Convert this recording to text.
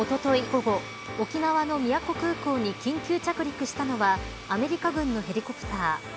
午後沖縄の宮古空港に緊急着陸したのはアメリカ軍のヘリコプター。